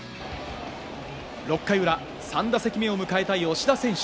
６回裏、３打席目を迎えた吉田選手。